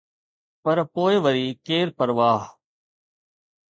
پر پوءِ وري، ڪير پرواهه؟